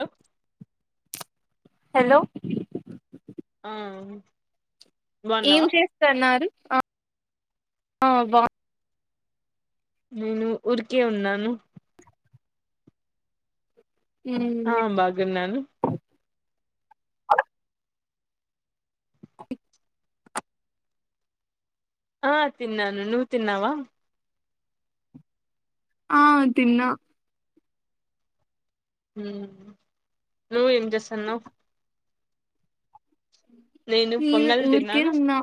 Hello hello ఆ ఏం బాగున్నావా చేస్తున్నారు అ ఆ బా నేను ఉరికే ఉన్నాను. ఆ మ్ బాగున్నాను ఓకే ఆ తిన్నాను నువ్వు తిన్నావా? ఆ తిన్నా మ్ నువు ఎం జెస్తాన్నవ్? నేను పొంగల్ ఊరికే తిన్నాను ఉన్నా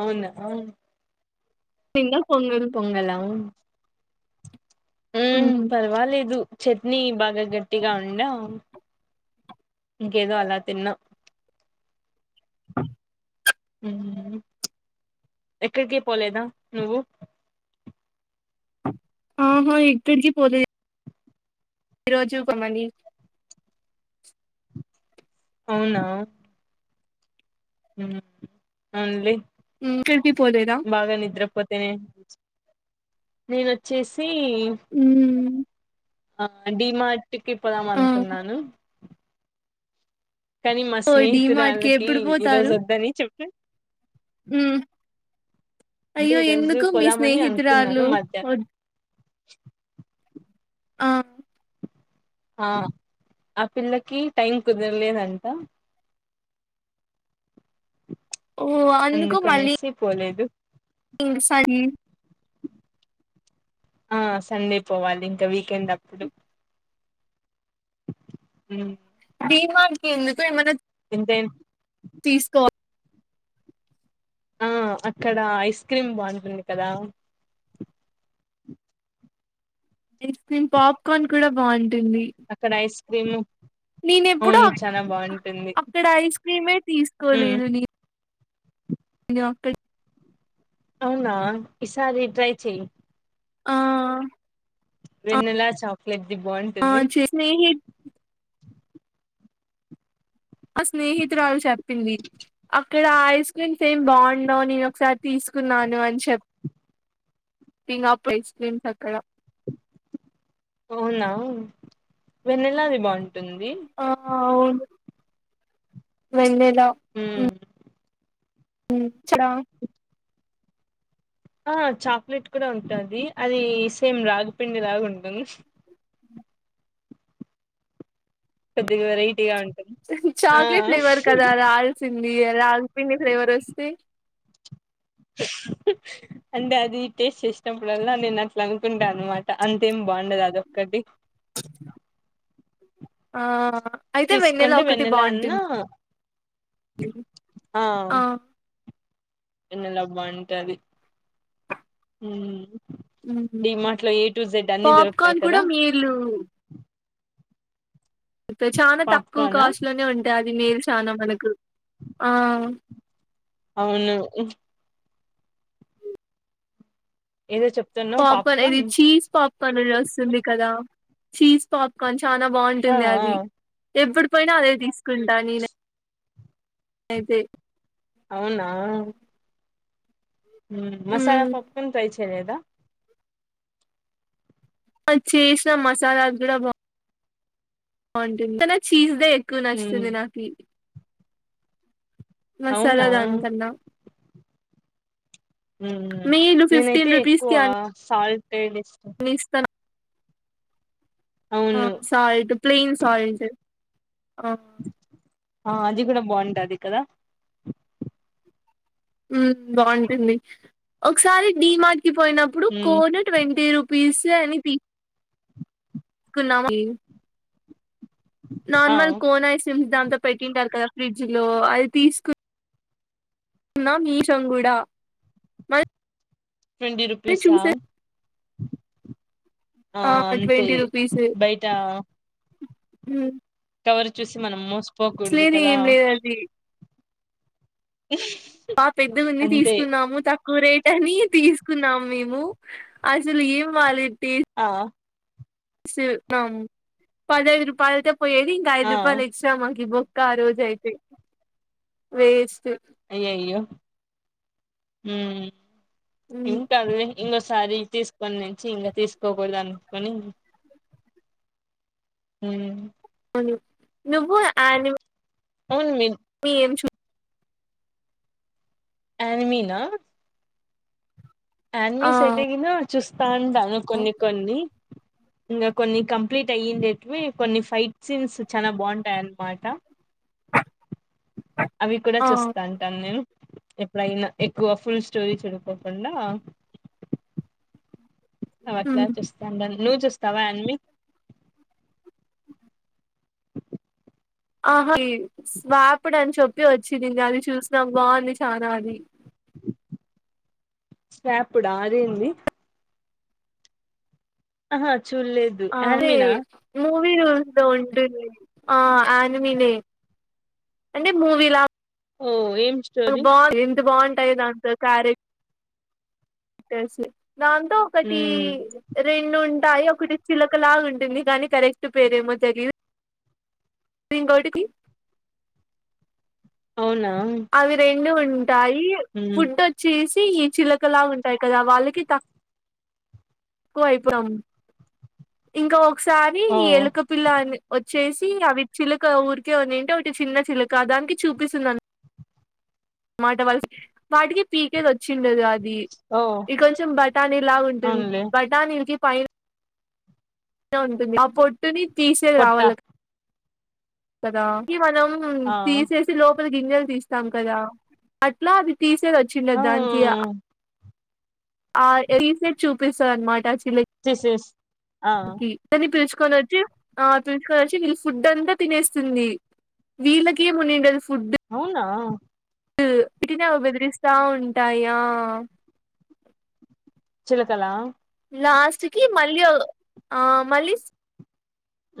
అవున ఆ తింగా పొంగల ఉ మ్ పర్వాలేదు చట్నీ బాగా గట్టిగా ఉండా ఇంకేదో అలా తిన్నా ఉహుహు ఎక్కడికి పోలేదా నువ్వు? ఆహా ఇక్కడికి పోలే ఈరోజు ఒక మని అవునా ఉహు అవున్లే ఊ ఎక్కడికి పోలేదా? దేనే నేనుచ్చేసి మ్ ఆ డిమార్ట్ కి పోదాం ఆ అనుకున్నాను. కానీ మా ఓ డి మార్ట్ కి స్నేహితురాళ్ళకి ఈ రోజు వద్దని చెప్పా ఆ అంటే అయ్యో ఈ రోజు ఎందుకు మీ పోదామని అనుకున్నాను స్నేహితురాలు మధ్యాహ్నం వద్ [inaudible] ఆ ఆ ఆ పిల్లకి టైమ్ కుదరలేదంట. ఓ అందుకనేసి పోలేదు ఇన్ సాజి ఆ సండే పోవాలి ఇంకా వీకెండ్ అప్పుడు మ్ డిమర్ట్ కి ఎందుకు ఏమన దేన్ తీసుకో ఆ అక్కడ ఐస్ క్రీమ్ బావుంటుంది కదా ఐస్ క్రీమ్, పాప్కార్న్ కూడా బాగున్ అక్కడ ఐస్ క్రీము నేనెప్పుడు అ అక్కడ ఐస్ క్రీమే ఉమ్ తీస్కోలేదు నే ను అక్కడ్ అవునా ఈసారి ట్రై చెయి. ఆ వెన్నెలా చాక్లెట్ది ఆ బాగుంటుంది. స్నేహి మా స్నేహితురాల్ చెప్పింది. అక్కడ ఐస్ క్రీమ్స్ ఏం బాగుండవు నేన్ ఒకసారి తీస్కున్నాను అన్ చెప్ థింగ్ ఆఫ్ ఐస్ క్రీమ్స్ అక్కడ అవునా వెన్నెలాది బాగుంటుంది. ఆ అవును వెన్నల ఉమ్ మ్ చలా ఆ చాక్లెట్ కూడా ఉంటాది అది సేమ్ రాగిపిండి లాగా ఉంటుం [inaudible] కొద్దిగా వెరైటీగా ఉన్ చాక్లేెట్ ఫ్లేవర్ కదా అద్ ఆల్సి బియ ‌రాగిపిండి ఫ్లేవర్ వస్తే [inaudible] అంటే అది టేస్ట్ చేసినప్పుడల్లా నేనట్లా అనుకుంటా అన్నమాట అంతేం బాగుండదు అదొక్కటి ఆ అయితే వెన్నెలా తీసుకుంటే ఒకటి వెన్నెల బాగుంటుం అన్నా ఆ వెన్నెల బంటది మ్ డిమార్ట్లో ఏటు జెడ్ అన్ని దొరుకుతాయి పాప్కార్న్ కూడా కదా మీల్లు చాలా తక్కువ పాప్కార్నా కాస్ట్లోనే ఉంటాయి అ ది నెల్సానా మనకు ఆ అవును. ఏదో చెప్తున్నావ్ పాప్కార్న్ ఇది చీజ్ పాప్కార్న్ అని వస్తుంది కదా చీజ్ పాప్కార్న్ చానా ఆ బాగుంటుంది ఆ అది ఎప్పుడు పోయినా అదే తీస్కుంటా నేనై అయితే అవునా మసాలా మ్మ్ పాప్కార్న్ ట్రై చేయలేదా? ఆ చేసిన మసాలాద్ గుడా బా బాగుంటుంది కని నాక్ చీజ్దే ఎక్కు హ్మ్ నచ్చుతుంది నాకి మసాలా అవునా దాన్ కన్నా నేనైతే ఫిఫ్టీన్ రూపీస్ కి ఎక్కువా సాల్ట్దే ఇష్టం. అన్ని ఇస్తాను ఆ అవును సాల్ట్ ప్లెయిన్ సాల్ట్ ఆ ఆ అది గుడ బాగుంటాది కదా మ్ బాగుంటుంది ఒక్సారి డీమార్ట్ కి పోయినప్పుడు ఉమ్ కోన్ ట్వంటీ రూపీసే అని తీ కున్నాము. ఆ నార్మల్ కోన్ ఐస్ క్రీమ్స్ దాంతో పెట్టింటారు కదా ఫ్రిడ్జ్లో అది తీస్కున్ ఉన్నాం ఈశం గుడా ట్వంటీ రుపీసా? ఆ ట్వంటీ రుపీస్ బయట మ్ కవరు చూసి మనం మోసుపోకూడుదు కదా ఏం లేదు అది ఆ పెద్దిఉన్ని అంతే తీసుకున్నాము త క్కువ రేటని తీసుకున్నాం మేము అసల్ ఏం బాలెద్ ఆ పదైదు రూపాయలైతే పోయేది ఇంక ఐదు ఆ రూపాయలు ఎక్స్ట్రా మాకిబొ క్కా ఆ రోజు అయితే వేస్ట్ అయ్యయ్యో ఉమ్ ఏం కాదు వె ఇంగొసారి తీసుకొని నుంచి ఇంగ తీసుకోడదన్కొని ఏమైంది నువ్వు ఆని అవును మీరు మీ ఏం చూ అన్మీనా ఆ న్మీస్ సెటిగిను చూస్తా ఉంటాను కొన్ని కొన్ని ఇంగా కొన్ని కంప్లీట్ అయ్యిండేటివి కొన్ని ఫైట్ సీన్స్ చానా బాగుంటాయన్నమాట అవి కూడా ఆ చూస్తాంటాన్ నేను ఎప్పుడయినా ఎక్కువ ఫుల్ స్టోరీ చూడుకోకుండా అవట్లా చూస్తాండాన్ నువ్వు చూస్తావా అన్మి ఆహా వ్యాప్డన్ చెప్పి వచ్చింది నిన్న అది చూసినాం బాగుంది చనా అది వ్యాపుడా అదేంది ఆహా చూడలేదు అదే యాన్మినా మూ వీడియోస్ లో ఉంటుంది ఆ ఆనిమినే అంటే మూవీలా ఓ ఏం స్టోరీ బాగు ఎంత బాగుంటాయి దాంతో క్యారెక్టర్స్ దాంతో ఒకటి ఉమ్ రెండుం ంటాయి ఒకటి చిలకలాగా ఉంటుంది గానీ కరెక్ట్ పేరేమో తెలిదు ఇంగోటికి అవునా అవి రెండు ఉంటాయి ఉమ్ ఫుడ్ వచ్చేస్ ఈ చిలకలా ఉంటాయి కదా వాళ్ళకి తక్ ఎక్కువయితాం ఇంకా ఒకసారి ఓ ఈ ఎలుక పిల్ల ని వ చేసి అవి చిలక ఊరీకే ఉన్నింటే ఒకటి చిన్న చిలక దానికి చూపిస్తుందన్ మాట వల్స్ వాటికి పీకేదచ్చిండదు అ వి ఓ ఇ కొంచెం బఠానీలాగుంటుంది అవునులే బఠానీల్కి పైన ఉంటుంది ఆ పొట్టుని తీసేది పొట్ట రావాల కదా మనం ఆ తీసేసి లోపల గింజెల్ తీస్తాం కదా అట్లా అది తీస్ సేదచ్చింద ఆ దానికి ఆ ఆ తీసెద్ చూపిస్తదన్మాట ఆ దిస్ ఇస్ ఆ చిలక్కి దన్ని పిలుచు కొనచ్చి ఆ పిల్సుకొనచ్చి వీళ్ ఫుడ్ అంతా తినేస్తుంది వీళ్ళకేమొ నిండల్స్ అవునా ఇటిన అవి బెదిరిస్తా ఉంటాయా చిలకలా లాస్ట్ కి మళ్ళీ ఒ ఆ మళ్ళీస్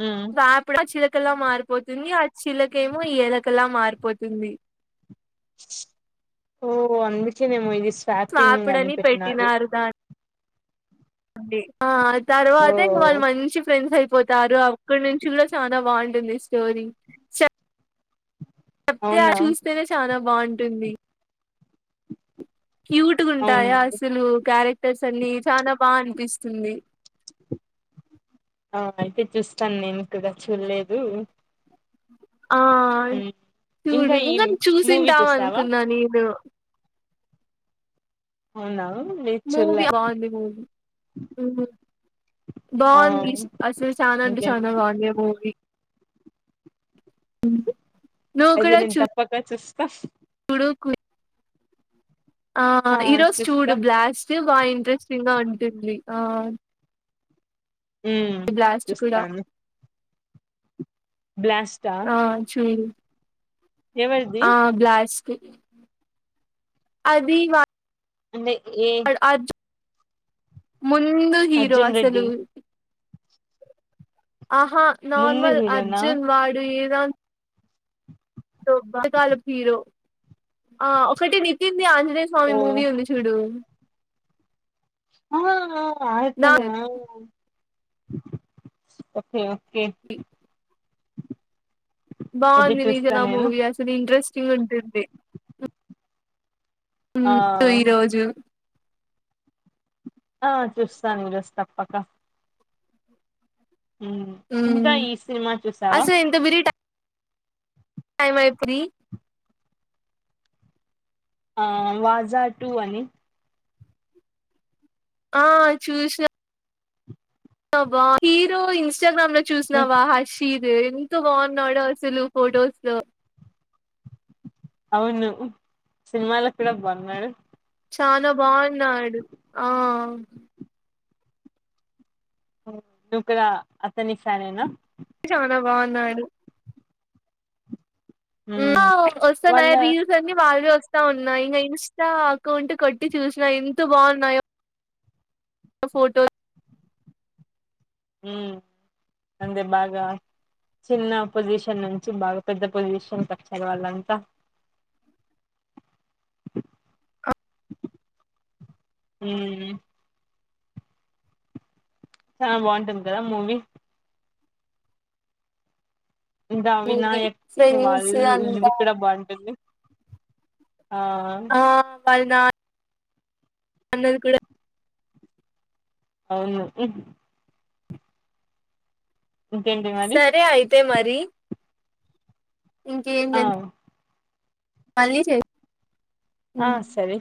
ఉమ్ పాపిడా చిల్క్ కలా మారిపోతుంది ఆ చిలకేమో ఈ ఏలకలా మారిపోతుంది ఓ అఎందుకేనేమో ఇదిస్ స్వాపిడ్ అని పెట్టినారు దాన్ ఆ ఓ తర్వాత ఇంగ వాళ్ళు మంచి ఫ్రెండ్స్ అయిపో పోతారు అక్కడి నుంచి కూడా చాలా బాగుంటుంది స్టోరీ చెప్తే ఆ అవునా చూస్తేనే చాలా బాగుంటుంది క్యూట్గాంటాయా అవునండి అసలు క్యారెక్ రసని చానా బా అనిపిస్తుంది ఆ అయితే చూస్తాను నేను కూడ చూడలేదు ఆ ఉమ్, చూడు ఇంకా మూవీ చూసింటాం చూసావా అనుకున్నా నేను అవునా లేదు మూవీ చూడలే బాంది మూవీ ఆ బాంది అసలు చానా అంటే ఇంకేం చానా బాగుంది ఆ మూవీ అయితే నేను తప్పక చూస్తా కుడుకు ఆ ఈరోజు చూడు బ్లాస్ట్ బా ఇంట్రెస్టింగ్గా ఉంటుంది ఆ ఉ బ్లాస్ట్ కూడా చూస్తాను బ్లాస్టా ఆ చూడు ఎవరిది ఆ బ్లాస్ట్ అది వా అంటే ఏ అర్జున్ ముందు హీరో అర్జున్ అసలు రెడ్డి ఆహా ముందు నార్మల్ హీరోనా అర్జున్ వాడు ఏదన్ పాతకాలపు హీరో ఆ ఒకటి నితిన్ ది ఆంజనేయ స్వామి ఓ మూవీ ఉంది చూడు ఆ నా ఆతనా ఓకే ఓకే అయితే బాగుంది నిజ చూస్తా నా నేను మూవీ అసలు ఇంట్రెస్టింగ్ ఉంటుంది ఉ ఆ ఈ రోజు ఆ చూస్తాను ఈరోజు తప్పక ఇంకా ఈ సినిమా చూసావా అసలు ఎంత బిరి టైం అయింది ఆ వాజా టూ అని ఆ చూష్నా బా హీరో ఇన్స్టాగ్రామ్ లో ఉమ్, చూసినవా హర్షీత్ ఎంత బాగున్నాడో అసలు ఫొటోస్ లో అవును సినిమాలో కూడా బాగున్నాడు చానా బాగున్నాడు ఆ నువ్వు కూడా అతని ఫ్యాన్ ఏనా చానా బాగున్నాడు ఆ ఉమ్, వస్తన్నా వాళ్ళ రీల్స్ అన్ని వాళ్వి వస్ వస్తా ఉన్నాయి ఇంక ఇన్స్టా అకౌంట్ కొట్టి చూసినా ఎంత బాగున్నాయో ఫోటో ఉ అందే బాగా చిన్న పొజిషన్ నుంచి బాగా పెద్ద పొజిషన్ కచ్చారు వాళ్ళంతా [inaudible] అ ఊ చానా బాగుంటుంది కదా మూవీ ఇంకా మూవీ వినాయక్ వాళ్ ఫ్రెండ్స్ అంతా ఇల్ బాగుంటుంది ఆ ఆ వాళ్ళ నాన్ అందరు కూడా అవును ఇంకేంటి మరి తే మరి ఇంకేం ఆ లేదు మల్లీ చేయ్ ఆ సరే